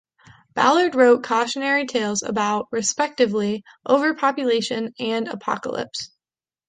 Ballard wrote cautionary tales about, respectively, overpopulation and apocalypse.